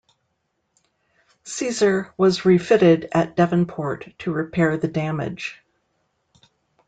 "Caesar" was refitted at Devonport to repair the damage.